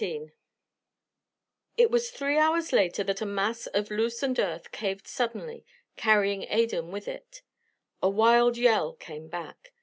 XIX It was three hours later that a mass of loosened earth caved suddenly, carrying Adan with it. A wild yell came back.